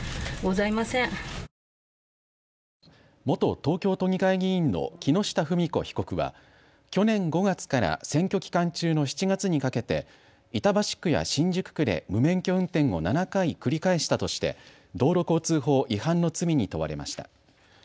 元東京都議会議員の木下富美子被告は去年５月から選挙期間中の７月にかけて板橋区や新宿区で無免許運転を７回繰り返したとして道路交通法違反の罪に問われました。